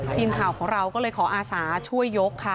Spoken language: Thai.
ทีมข่าวของเราก็เลยขออาสาช่วยยกค่ะ